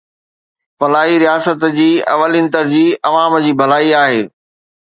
فلاحي رياست جي اولين ترجيح عوام جي ڀلائي آهي